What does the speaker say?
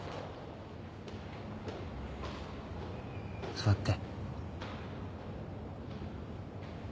座って。